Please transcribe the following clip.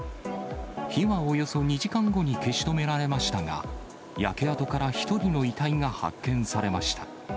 火はおよそ２時間後に消し止められましたが、焼け跡から１人の遺体が発見されました。